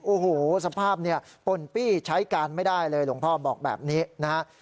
โอ้โหสภาพเนี่ยป่นปี้ใช้การไม่ได้เลยหลวงพ่อบอกแบบนี้นะฮะ